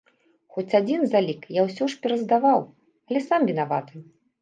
Хоць адзін залік я ўсё ж пераздаваў, але сам вінаваты.